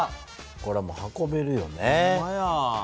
これもう運べるよね。